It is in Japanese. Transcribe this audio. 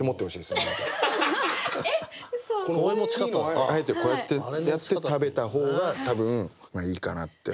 あえてこうやってやって食べた方が多分いいかなって。